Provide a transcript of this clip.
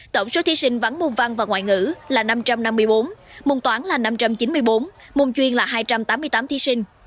tổng số thí sinh vắng môn văn và ngoại ngữ là năm trăm năm mươi bốn môn toán là năm trăm chín mươi bốn môn chuyên là hai trăm tám mươi tám thí sinh